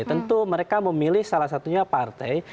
tentu mereka memilih salah satunya partai